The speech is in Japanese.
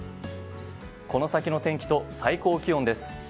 この先の天気と最高気温です。